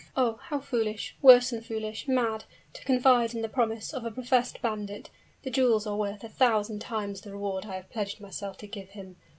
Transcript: "Oh! how foolish worse than foolish mad to confide in the promise of a professed bandit! The jewels are worth a thousand times the reward I have pledged myself to give him!